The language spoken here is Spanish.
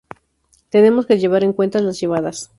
Tenemos que tener en cuentas las llevadas.